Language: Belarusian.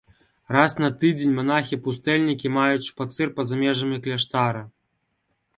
Раз на тыдзень манахі-пустэльнікі маюць шпацыр па-за межамі кляштара.